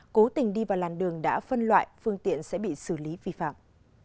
cố tình đi vào làn đường đã phân loại phương tiện sẽ bị xử lý vi phạm